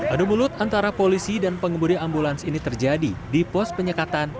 adu mulut antara polisi dan pengemudi ambulans ini terjadi di pos penyekatan